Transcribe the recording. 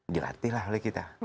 dilatih lah oleh kita